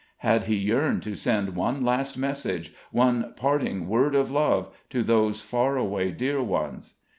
Had he yearned to send one last message one parting word of love to those far away dear ones?